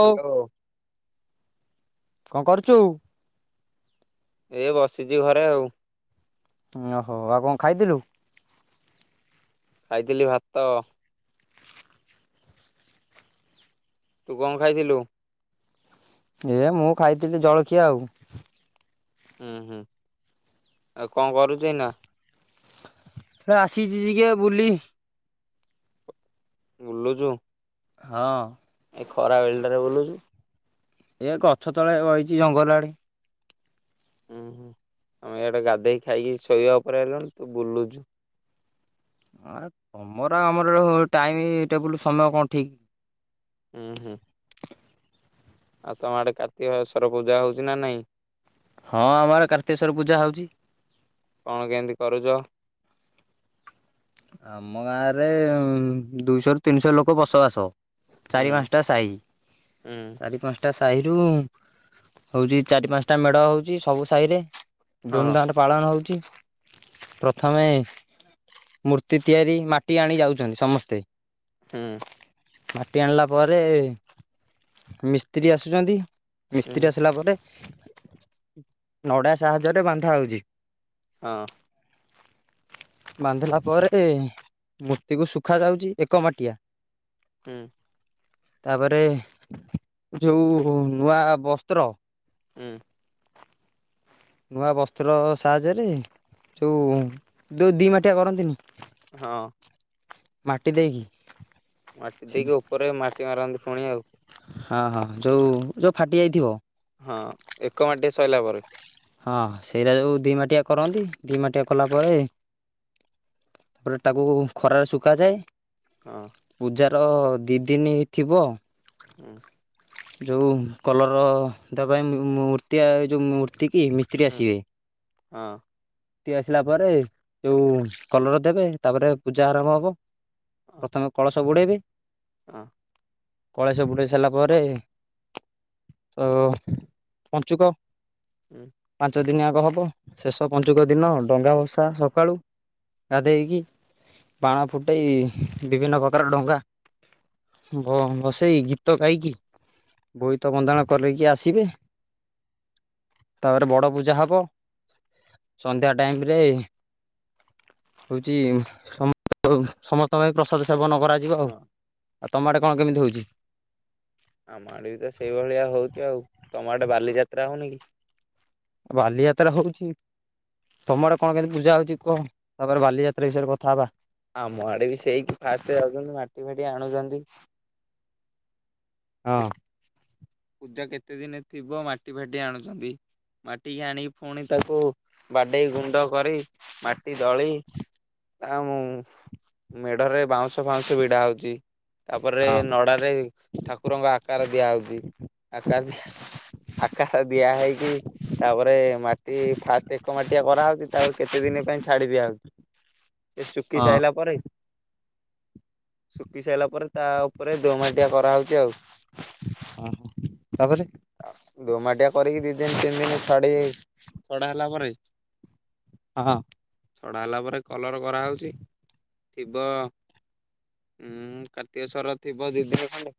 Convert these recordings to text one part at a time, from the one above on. Hello କଣ କରୁଛୁ। ଏ ବସିଛି ଘରେ ଆଉ ଓହୋ ଆଉ କଣ ଖାଇଥିଲୁ। ଖାଇଥିଲି ଭାତ ତୁ କଣ ଖାଇଥିଲୁ? ଏ ମୁଁ ଖାଇଥିଲି ଜଳଖିଆ ଆଉ ହୁଁ ହୁଁ ଆଉ କଣ କରୁଛି ନା ସେ ଆସିଚ ଟିକେ ବୁଲି ବୁଲଲୁଛୁ ହଁ ଏ ଖରା ବୱିଲ୍ଡରେ ବୋଲୁଛୁ। ଏ ଗଛ ତଳେ ରହିଛି ଜଙ୍ଗଲ ଆଡେ ହୁଁ ହୁଁ ଆମେ ଇଆଡେ ଗାଧେଇ ଖାଇକି ଶୋଇବା ଉପରେ ହେଲୁଣି ତୁ ବୁଲୁଛୁ ଆ ତମର ଆମର ଟାଇମ ଟେବୁଲ ସମୟ କଣ ଠିକ ହୁଁ ହୁଁ ଆଉ ତମ ଆଡେ କାର୍ତ୍ତିକେଶଵର ପୂଜା ହଉଛି ନା ନାଇଁ ହଁ ଆମର କାର୍ତ୍ତିେଶ୍ଵର ପୂଜା ହଉଛି। କଣ କେମିତି କରୁଛ ଆମ ଗାଁରେ ଦୁଇଶହ ରୁ ତିନିଶହ ଲୋକ ବସବାସ ହୁଁ ଚାରି ପାଞ୍ଚଟା ସାହି ହୁଁ ଚାରି ପାଞ୍ଚଟା ସାହିରୁ ହଉଛି ଚାରି ପାଞ୍ଚଟା ମେଢ ହଉଛି ସବୁ ସାହିରେ ହଁ ଧୁମଧାମ ରେ ପାଳନ ହଉଛି। ପ୍ରଥମେ ମୂର୍ତ୍ତି ତିଆରି ମାଟି ଆଣି ଯାଉଛନ୍ତି ସମସ୍ତେ ହୁଁ ମାଟି ଆଣିଲା ପରେ ମିସ୍ତ୍ରୀ ଆସୁଛନ୍ତି। ହୁଁ ମିସ୍ତ୍ରୀ ଆସିଲା ପରେ ଏ ନଡା ସାହାଯ୍ୟରେ ବାନ୍ଧା ହଉଚି ହଁ ବାନ୍ଧିଲା ପରେ ଏ ମୂର୍ତ୍ତିକୁ ଶୁଖା ଯାଉଛି ଏକ ମାଟିଆ ହୁଁ ତାପରେ ଯୋଉ ନୂଆ ବସ୍ତ୍ର ହୁଁ ନୂଆ ବସ୍ତ୍ର ସାହାଯ୍ୟରେ ଯଉ ଯୋଉ ଦି ମାଠିଆ କରନ୍ତିନି। ହଁ ମାଟି ଦେଇ କି ମାଟି ଦେଇକି ଉପରେ ମାଟି ମାରନ୍ତି ପୁଣି ଆଉ ହଁ ହଁ ଯୋଉ ଯୋଉ ଫାଟି ଯାଇଥିବ। ହଁ ଏକ ମାଠି ସରିଲା ପରେ ହଁ ସେଇରା ଦି ମାଟିଆ କରନ୍ତି ଦିଇ ମାଠିଆ କଲା ପରେ ତାପରେ ତାକୁ ଖରାରେ ଶୁଖାଯାଏ। ହଁ ତ ଦିନ ଥିବ ହୁଁ ଯୋଉ କଲର ଦେବା ପାଇଁ ମୂର୍ତ୍ତିଆ ଏ ଯୋଉ ମୂ କି ମିସ୍ତ୍ରୀ ହୁଁ ଆସିବେ ହଁ ମୂର୍ତି ଆସିଲା ପରେ ଯୋଉ କଲର ଦେବେ ତାପରେ ପୂଜା ଆରମ୍ଭ ହବ। ପ୍ରଥମେ କଳସ ବୁଡେଇବେ। ହ। କଳଶ ବୁଡେଇ ସାରିଲା ପରେ ତ ପଞ୍ଚୁକ। ହୁଁ [inaudible] ଦିନିଆଗ ହବ ଶେଷ ପଞ୍ଚୁକ ଦିନ ଡଙ୍ଗା ଭସା ସକାଳୁ ଗାଧେଇକି ବାଣ ଫୁଟେଇ ବିଭିନ୍ନ ପ୍ରକାର ଡଙ୍ଗା ବସେଇ ଗୀତ ଗାଇକି ବୋଇତ ବନ୍ଦାଣ କରକି ଆସିବେ। ତାପରେ ବଡ ପୂଜା ହବ ସନ୍ଧ୍ୟା ଟାଇମ ରେ ହଉଛି ସମ ସମସ୍ତଙ୍କ ପ୍ରସାଦ ସେବନ କରାଯିବ ଆଉ ହଁ। ଆଉ ତମେ ଆଡ଼େ କ କଣ କେମିତି ହଉଛି? ଆମ ଆଡେ ବି ତ ସେଇଭଳିଆ ହଉଚି ଆଉ ତମ ଆଡ଼େ ବାଲିଯାତ୍ରା ହଉନି କି? ବାଲିଯାତ୍ରା ହଉଚି ତମର କଣ କେମିତି ପୂଜା ହଉଛି କୁହ ତାପରେ ବାଲିଯାତ୍ରା ବିଷୟରେ କଥା ହବା। ଆମ ଆଡେ ବି ସେଇକି ଫାଷ୍ଟ ଯାଉଛନ୍ତି ମାଟି ଫାଟି ଆଣୁଛନ୍ତି। ହଁ। ପୂଜା କେତେ ଦିନ ଥିବ ମାଟି ଫାଟି ଆଣୁଛନ୍ତି ମାଟିିକି ଆଣିକି ପୁଣି ତାକୁ ବାଡେଇ ଗୁଣ୍ଡ କରି ମାଟି ଦଳି ଆଉ ମେଢରେ ବାଉଁଶ ଫାଉଉଁଶ ଭିଡା ହଉଛି। ତାପ ରେ ହଁ। ନଡାରେ ଏ ଆକାର ଦିଆ ହଉଛି ଆକାର ଦି ଆକାର ଦିଆ ହେଇକି ତାପରେ ମାଟି ଫାଷ୍ଟ ଏକ ମାଟିଆ କରାହେଉଛି ତାକୁ କେତେ ଦିନ ପାଇଁ ଛାଡି ଦିଆ ହ [inaudible] ସେ ଶୁଖି ହଁ ସାଇଲା ପରେ [inaudible] ଶୁଖି ସାଇଲା ପରେ। ତା ଉପରେ ଦୋ ମାଟିଆ [inaudible] ହଁ ଅଁ। ତାପରେ ଦୋମାଟିଆ କରିକି। ଦି ଦିନି ତିନି ଦିନ ଛାଡି ଛଡା ହେଲା ପରେ ହ ହ। ଛଡା ହେଲା ପରେ କଲର କରାହଉଛି। ଥିବ ଉ କାର୍ତ୍ତିକ ସୋର ଥିବ ଦି ଦିନ ଖଣ୍ଡେ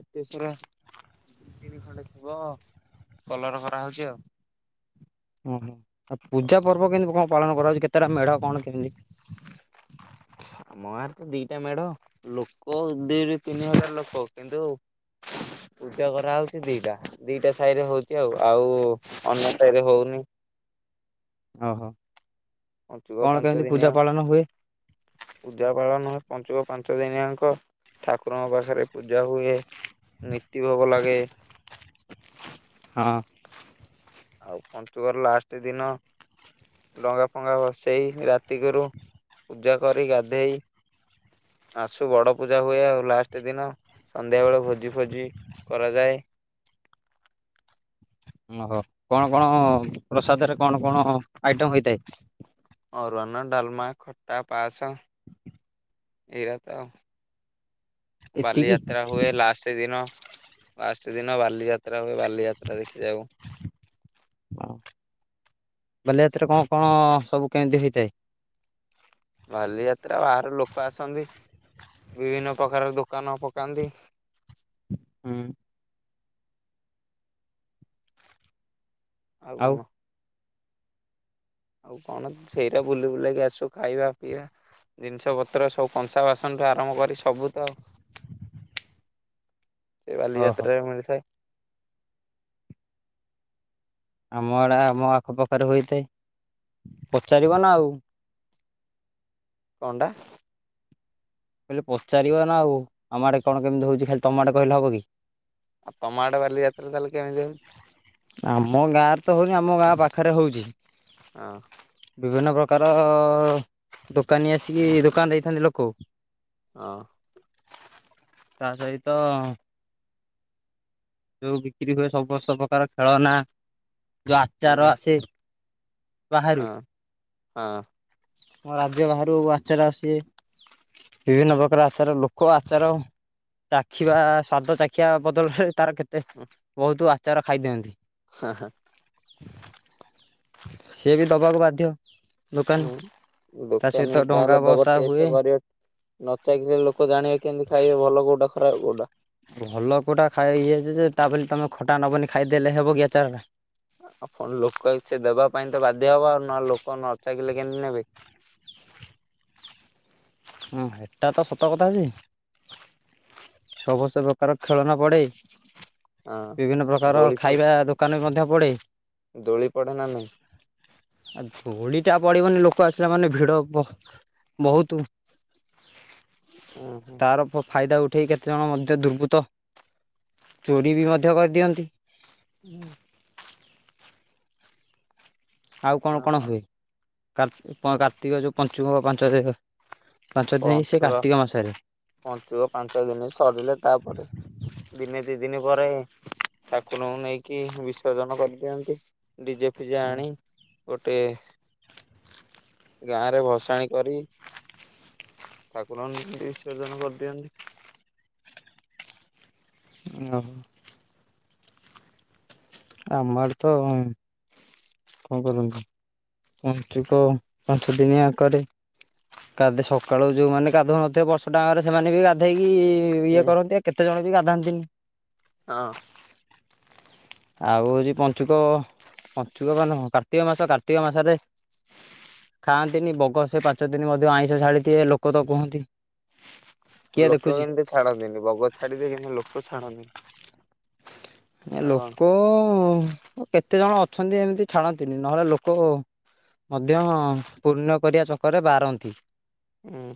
ଆ ଦଶରା। ଦି ଦିନି ଖଣ୍ଡେ ଥିବ କଲର କରା ହଉଛି ଆଉ। ହଁ ଉଛି କେତେଟା ମେଢ କଣ କେମିତି? ଆମ ଗାଁର ତ ଦିଟା ମେଢ। ଲୋକ ଦିରୁ ତିନି ହଜାର ଲୋକ କିନ୍ତୁ ପୂଜା କରାହଉଛି ଦିଟା ଦିଟା ସାହିରେ ହଉଛି। ଆଉ ଆଉ ଅନ୍ୟ ସାହିରେ ହଉନି। ଓ ହୋ। ପଞ୍ଚୁକ ପାଞ୍ଚ ଦିନିଆ ପୂଜା ପାଳନ ହୁଏ। ପଞ୍ଚୁକ ପାଞ୍ଚ ଦିନିଯାଙ୍କ ଠାକୁରଙ୍କ ପାଖରେ ପୂଜା ହୁଏ। ନୀତି ଭୋଗ ଲାଗେ। ହଁ। ଆଉ ପଞ୍ଚୁକର ଲାଷ୍ଟ ଦିନ ଡଙ୍ଗା ଫଙ୍ଗା ଭସେଇ। ରାତିକିରୁ ପୂଜା କରି ଗାଧେଇ ଆସୁ ବଡ ପୂଜା ହୁଏ। ଆଉ ଲାଷ୍ଟ ଦିନ ସନ୍ଧ୍ୟା ବେଳେ ଭୋଜି ଫୋଜି କରାଯାଏ। ଓହୋ କଣ କଣ ପ୍ରସାଦରେ କଣ କଣ ଆଇଟମ ହେଇଥାଏ। ଅରୁଆନ ଡାଲମା ଖଟା ପାସ। ଏଇରା ତ। ଏତିକି ବାଲିଯାତ୍ରା ହୁଏ ଲାଷ୍ଟ ଦିନ। ଲାଷ୍ଟ ଦିନ ବାଲିଯାତ୍ରା ହୁଏ ବାଲିଯାତ୍ରା ଦେଖି ଯାଉ। ବାଲିଯାତ୍ରାର କଣ କଣ ସବୁ କେମିତି ହେଇଥାଏ? ବାଲିଯାତ୍ରା ବାହାର ଲୋକ ଆସନ୍ତି। ବିଭିନ୍ନ ପ୍ରକାର ଦୋକାନ ପକାନ୍ତି। ହୁଁ। ଆଉ ଆଉକଣ। ଆଉ କଣ ସେଇଟା ବୁଲି ବୁଲାକି ଆସୁ। ଖାଇବା ପିଇବା ଜିନିଷ ପତ୍ର ସବୁ କଂସା ବାସନଠୁ ଆରମ୍ଭ କରି ସବୁ ସେ ବାଲି ଓହୋ ଯାତ୍ରାରେ ମିଳିଥାଏ। ଆମ ଆଡେ ଆମ ଆଖପାଖରେ ହୋଇଥାଏ। ପଚାରିବ ନା ଆଉ। କଣ ଟା? କହିଲି ପଚାରିବ ନା ଆଉ। ଆମ ଆଡେ କଣ କେମିତି ହଉଛି ଖାଲି ତମ ଆଡେ କହିଲେ ହବ କି। ଆଉ ତମ ଆଡେ ବାଲିଯାତ୍ରା ତାହେଲେ କେମିତି ହଉଛି? ଆମ ଗାଁରେ ତ ହଉନି ଆମ ଗାଁ ପାଖରେ ହଉଛି। ହଁ ବିଭିନ୍ନ ପ୍ରକାର ଅ ଦୋକାନୀ ଆସିକି ଦୋକାନ ଦେଇଥାନ୍ତି ଲୋକ। ହଁ। ତା ସହିତ ଯୋଉ ବିକ୍ରି ହୁଏ ସ ବୁ [unintelligible] ପ୍ରକାର ଖେଳନା। ଯୋଉ ଆଚାର ହୁଁ ଆସେ। ବାହାରୁ ହଁ ହଁ। ଆମ ରାଜ୍ୟ ବାହାରୁ ଆଚାର ଆସେ, ବିଭିନ୍ନ ପ୍ରକାର ଆଚାର ଲୋକ ଆଚାର ଚାଖିବା ସ୍ଵାଦ ଚାଖିବା ବଦଳରେ ତାର କେତେ ହଁ ବହୁତୁ ଆଚାର ଖାଇ ଦିଅନ୍ତି। ହଁ ସେ ବି ଦବାକୁ ବାଧ୍ୟ। ଦୋକାନ ହୁଁ ତା ସହିତ ଦୋକାନୀ ଡଙ୍ଗା ଯାହାଲେ ଦବ ଭସା ଟେଷ୍ଟ ହୁଏ କରିବ, ନ ଚାଖିଲେ ଲୋକ ଜାଣିବେ କେମତି ଖାଇବେ ଭଲ କୋଉଟା ଖରାପ କୋଉଟା। ଭଲ କୋଉଟା ଖାଇ [unintelligible] ଯେ ତା ବୋଲି ତମେ ଖଟା ନବନି ଖାଇଦେଲେ ହେବ କି ଆଚାରଟା। ଆପଣ ଲୋକ ହେଇଛେ ଦେବା ପାଇଁ ତ ବାଧ୍ୟ ହବ ଆଉ, ନହେଲେ ଲୋକ ନଚାଖିଲେ କେମତି ନେବେ? ହଁ ହେଟା ତ ସତ କଥା ଯେ, ଛଅ ବର୍ଷ ବେପାର ଖେଳନା ପଡେ, ବିଭିନ୍ନ ହଁ ପ୍ରକାର ଦୋଳି ଫୋଳି ଖାଇବା ଦୋକାନ ବି ମଧ୍ୟ ପଡେ। ଦୋଳି ପଡେ ନା ନାଇଁ ଦୋଳିଟା ପଡ଼ିବନି ଲୋକ ଆସିଲା ମାନେ ଭିଡ଼ ହବ ବହୁତୁ। ଓ ହୋ। ତାର ଫ ଫାଇଦା ଉଠେଇ କେତେଜଣ ମଧ୍ୟ ଦୁର୍ବୃତ୍ତ ଚୋରି ବି ମଧ୍ୟ କରିଦିଅନ୍ତି। ହୁଁ। ଆଉ କଣ କଣ ହୁଏ? କାର୍ତ୍ତି କାର୍ତ୍ତିକ ଯୋଉ ପଞ୍ଚୁକ ପାଞ୍ଚ ଦି ପଞ୍ଚୁକ ପଞ୍ଚୁକ ପାଞ୍ଚ ଦିନି ସରିଲେ ତାପରେ ଦିନେ ଦି ଦିନି ପରେ ଠାକୁରଙ୍କୁ ନେଇକି ବିସର୍ଜନ କରିଦିଅନ୍ତି। ଡିଜେ ଫିଜେ ଆଣି ଗୋଟେ ଗାଁରେ ଭସାଣି କରି ଠାକୁରଙ୍କୁ ନେଇକି ବିସର୍ଜନ କରିଦିଅନ୍ତି। ଓ ହୋ। ଆମ ଆଡ଼େ ତ କଣ କରନ୍ତି ପଞ୍ଚୁକ ପାଞ୍ଚ ଦିନିଆ କରେ କାଲି ସକାଳୁ ଯୋଉମାନେ ଗାଧଉନଥିବେ ବର୍ଷଟାଙ୍କରେ ସେମାନେ ବି ଗାଧେଇ ଇଏ ହୁଁ କରନ୍ତି ଆ କେତେ ଜଣ ଗାଧାନ୍ତିନି। ହଁ। ଆଉ ହଉଛି ପଞ୍ଚୁକ ପ ପଞ୍ଚୁକବା ନୁହଁ କାର୍ତ୍ତିକ ମାସ କାର୍ତ୍ତିକ ମାସରେ ଖାଆନ୍ତିନି ବଗ ସେ ପାଞ୍ଚ ଦିନ ମଧ୍ୟ ଆଇଁଷ ଛାଡ଼ିଦିଏ ଲୋକ ତ କୁହନ୍ତି। କିଏ ଲୋକ ଦେଖୁଛି କିନ୍ତୁ ଛାଡନ୍ତିନି ବଗ ଛାଡିଦିଏ କିନ୍ତୁ ଲୋକ ଛାଡନ୍ତିନି। ନା କଣ? ଲୋକ କେ କେତେ ଜଣ ଅଛନ୍ତି ଏମିତି ଛାଡ଼ନ୍ତିନି ନହେଲେ ଲୋକ ମଧ୍ୟ ପୂର୍ଣ୍ୟ କରିବା ଚକରେ ବାରନ୍ତି। ହୁଁ।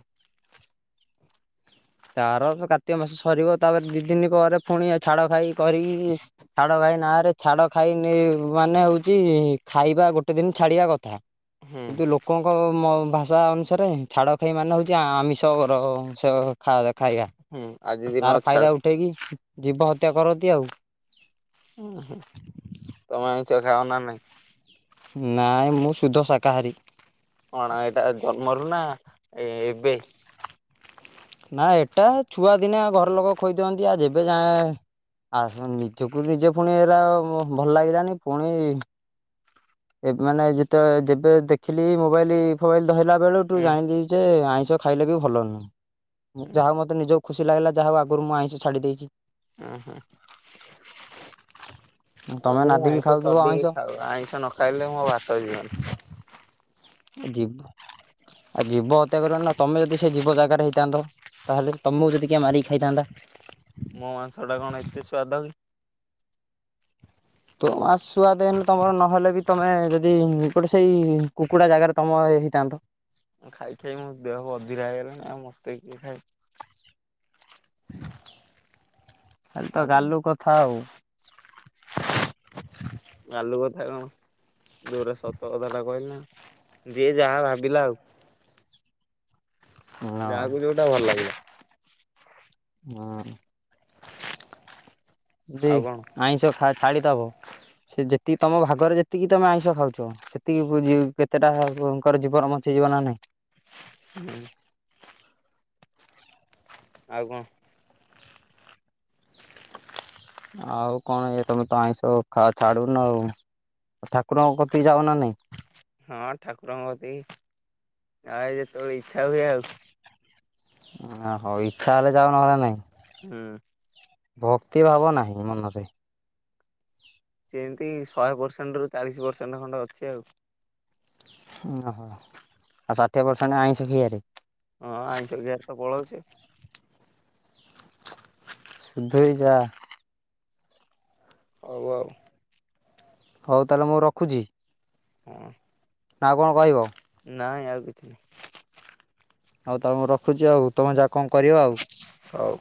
ତାର କାର୍ତିକ ମାସ ସରିବ ତାପରେ ଦି ଦିନି ପରେ ପୁଣି ଛାଡ ଖାଇ କରିକି ଛାଡ ଖାଇ ନାଁରେ ଛାଡ ଖାଇ ମାନେ ହଉଛି ଖାଇବା ଗୋଟେ ଦିନ ଛାଡିବା କଥା। ହୁଁ କିନ୍ତୁ ଲୋକଙ୍କ ମ ଭାଷା ଅନୁସାରେ ଛାଡ଼ଖାଇ ମାନେ ହଉଛି ଆମିଷ କର ସେ ଖା ଖାଇବା ହୁଁ ଆଜି ଦିନ ତାର ଛାଡ ଫାଇଦା ଉଠେଇ କିି ଜୀବ ହତ୍ୟା କରନ୍ତି ଆଉ। ଓ ହୋ ତମେ ଆଇଁଷ ଖାଅ ନା ନାଇଁ? ନାଇଁ-ଇଁ-ଇଁ ମୁଁ ଶୁଦ୍ଧ ଶାକାହାରୀ। କଣ ଏଇଟା ଜନ୍ମରୁ ନା ଏ-ଏ-ଏବେ। ନା ଏଟା ଛୁଆଦିନେ ଘର ଲୋକ ଖୋଇଦିଅନ୍ତି ଆ ଯେବେ ଯାଏଁ ଆସ ନିଜକୁ ନିଜେ ପୁଣି ଏରା ଭଲ ଲାଗିଲାନି ପୁଣି ଏ ମାନେ ଯେତେବେଳେ ଯେବେ ଦେଖିଲି ମୋବାଇଲି ଫୋବାଇଲ ହେଲା ବେଳୁ ଠୁ ହୁଁ ଜାଣିଲି ଯେ ଆଇଁ ମିଷ ଖାଇଲେ ବି ଭଲ ନୁହଁ। ମୁଁ ହୁଁ ଯାହା ହଉ ମତେ ନିଜ ଖୁସି ଲାଗିଲା ଯାହା ହଉ ଆଗରୁ ମୁଁ ଆଇଁଷ ଛାଡ଼ି ଦେଇଛି। ଓହୋ ତମେ [unintelligible] ନାଦିକି ଆଇଁଷ ଖାଉଥିବ ଆଇଁଷ। ଚଢିକି ଖାଉ ଆଇଁଷ ନ ଖାଇଲେ ମୋ ଭା ଚଳି ଯିବନି। ଜୀ ଆଉ ଜୀବ ହତ୍ୟା କରିବ ନା ତମେ ଯଦି ସେ ଜୀବ ଜାଗାରେ ହେଇଥାନ୍ତ, ତାହେଲେ ତମକୁ ଯଦି କିଏ ମାରିକି ଖାଇଥାନ୍ତା। ମୋ ମାଂସଟା କଣ ଏତେ ସ୍ଵାଦ କି? ନ ସୁଆଦ ହେଲେ ତମର ନହେଲେ ବି ତମେ ଯଦି ଗୋଟେ ସେଇ କୁକୁଡା ଜାଗାରେ ତମ ହେଇଥାନ୍ତ। ଖାଇ ଖାଇ ମୋ ଦେହ ବଧିରା ହେଇଗଲାଣି, ଆଉ ମତେ କିଏ ଖାଇବ? ଖାଲି ତ ଆଉ କଣ ଗାଲୁ କଥା ଆଉ। ଗାଲୁ କଥା କଣ? ଯୋଉରା ସତ କଥାଟା କହିଲି ନା। ଯିଏ ଯାହା ଭାବିଲା ଆଉ। ହଁ। ଯାହାକୁ ଯୋଉଟା ଭଲ ଲାଗିଲା। ହଁ। [inaudible] ଆଉ ଦେଇ କଣ ଆଇଁଷ ଖା ଥାଳିତ ହବ ସେ ଯେତିକି ତମ ଭାଗରେ ଯେତିକି ତମେ ଆଇଁଷ ଖାଉଛ ସେତିକି ବଜି କେତେଟା ଙ୍କର ଜୀବନ ବଞ୍ଚି ଯିବ ନା ନାହିଁ। ହୁଁ ଆଉ କଣ? ଆଉ କଣ ଇ ତମେ ତ ଆଇଁଷ ଖା ଛାଡୁନ ଆଉ ଠାକୁରଙ୍କ କତିକି ଯାଅ ନା ନାଇଁ। ହଁ ଠାକୁରଙ୍କ ପ୍ରତି ଅ ଯେତେବେଳେ ଇଚ୍ଛା ହୁଏ ଆଉ। ଓ ହଉ ଇଚ୍ଛା ହେଲେ ଯାଅ ନହେଲେ ନାହିଁ। ହୁଁ। ଭକ୍ତି ଭାବ ନାହିଁ ମନରେ। ସେମିତି ଶହେ ପରସେଣ୍ଟ ରୁ ଚାଳିଶ ପରସେଣ୍ଟ ଖଣ୍ଡେ ଅଛି ଆଉ। ଓହୋ ଆଉ ଷାଠିଏ ପର୍ସେଣ୍ଟ ଆଇଁଷ ଖିଆରେ। ହଁ ଆଇଁଷ ଖିଆ ରେ ତ ପଳଉଛି। ସୁଧୁରି ଯା। ହଉ ଆଉ। ହଉ ତାହେଲେ ମୁଁ ରଖୁଛି। ହଁ। ନା ଆଉ କଣ କହିବ? ନାଇଁ ଆଉ କିଛି ନାହିଁ। ହଉ ତ ମୁଁ ରଖୁଛି ଆଉ ତମ ଯାକ କଣ କରିବ ଆଉ? ହଉ।